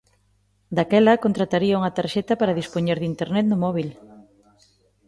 Daquela contrataría unha tarxeta para dispoñer de Internet no móbil.